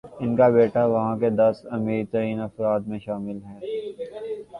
ان کا بیٹا وہاں کے دس امیرترین افراد میں شامل ہے۔